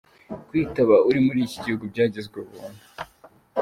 Kwitaba uri muri iki gihugu byagizwe ubuntu.